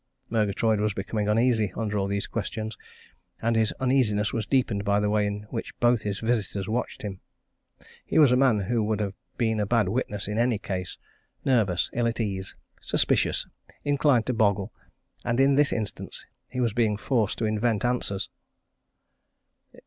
Murgatroyd was becoming uneasy under all these questions, and his uneasiness was deepened by the way in which both his visitors watched him. He was a man who would have been a bad witness in any case nervous, ill at ease, suspicious, inclined to boggle and in this instance he was being forced to invent answers.